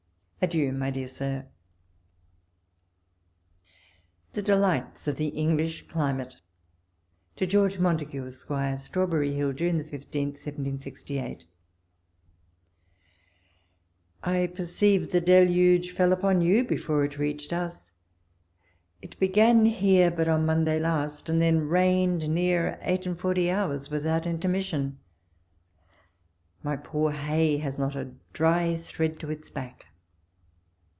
Adieu ! my dear Sir. 130 walpole's letters. THE DELIGHTS OF THE ENGLISH CLIMATE. To George Montagu, Esq. Strawberry Hill, June 15, 1768. ... I PERCEIVE the deluge fell upon you before it reached us. It began here but on Monday last, and then rained near eight and forty hours without intermission. My poor hay has not a dry thread to its back.